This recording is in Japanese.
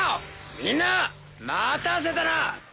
みんな待たせたな。